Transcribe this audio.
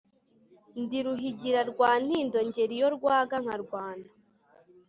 Ndi Ruhigira rwa Ntindo ngera iyo rwaga nkarwana,